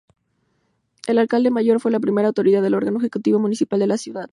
El Alcalde Mayor fue la primera autoridad del órgano ejecutivo municipal de la ciudad.